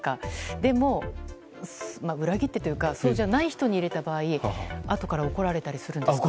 でも裏切ってというかそうじゃない人に入れた場合後から怒られたりするんでしょうか。